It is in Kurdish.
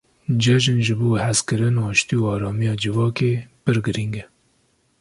Cejin ji bo hezkirin, aştî û aramiya civakê pir girîng e.